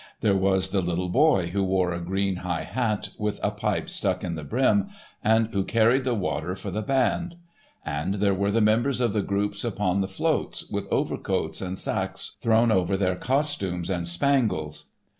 There was the little boy who wore a green high hat, with a pipe stuck in the brim, and who carried the water for the band; and there were the members of the groups upon the floats, with overcoats and sacques thrown over their costumes and spangles.